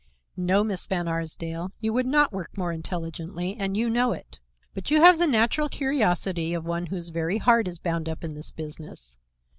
"No, Miss Van Arsdale, you would not work more intelligently, and you know it. But you have the natural curiosity of one whose very heart is bound up in this business.